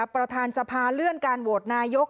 ประธานสภาเลื่อนการโหวตนายก